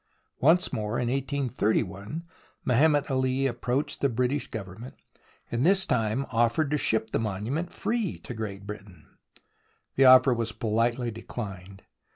Once more, in 1831, Mehemet Ali ap proached the British Government, and this time offered to ship the monument free to Great Britain. The offer was politely declined.